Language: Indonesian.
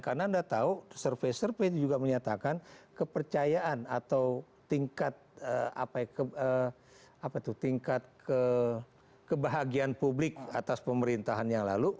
karena anda tahu survei survei itu juga menyatakan kepercayaan atau tingkat kebahagiaan publik atas pemerintahan yang lalu